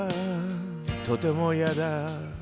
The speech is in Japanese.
とても嫌だ